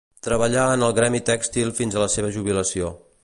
Treballà en el gremi tèxtil fins a la seva jubilació.